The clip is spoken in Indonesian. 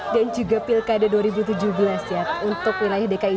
dan juga pilkada dua ribu tujuh belas ya untuk wilayah dki jakarta tampaknya joy memang ya